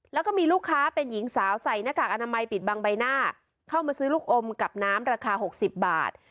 แล้วก็มีลูกค้าเป็นหญิงสาวใส่หน้ากากอนามัยปิดบังใบหน้าเข้ามาซื้อลูกอมกับน้ำราคา๖๐บาท